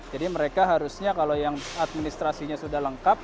jadi mereka harusnya kalau yang administrasinya sudah lengkap